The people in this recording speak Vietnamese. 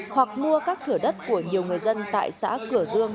hoặc mua các thửa đất của nhiều người dân tại xã cửa dương